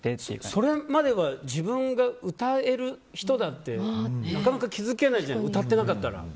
それまでは自分が歌える人だってなかなか気づけないじゃない歌ってなかったら。